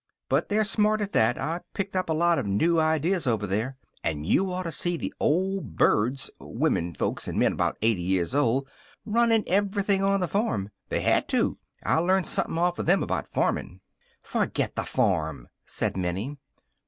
But they're smart at that. I picked up a lot of new ideas over there. And you ought to see the old birds womenfolks and men about eighty years old runnin' everything on the farm. They had to. I learned somethin' off them about farmin'." "Forget the farm," said Minnie.